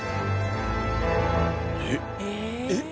えっ？えっ？